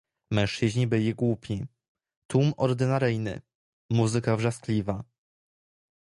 "Mężczyźni byli głupi, tłum ordynaryjny, muzyka wrzaskliwa."